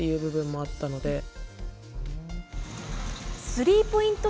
スリーポイント